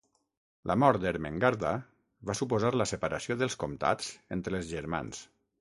La mort d'Ermengarda va suposar la separació dels comtats entre els germans.